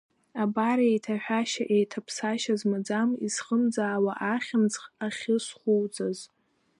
Абар, еиҭаҳәашьа-еиҭаԥсашьа змаӡам исхымӡаауа ахьымӡӷ ахьысхуҵаз.